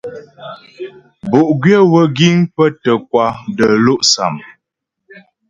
Bo'gwyə̌ wə́ giŋ pə́ tə́ kwà də́lɔ'sâm.